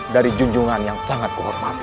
dari junjungan yang sangat kuhormat